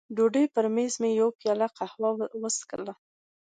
د ډوډۍ پر مېز مې یوه پیاله قهوه وڅښله.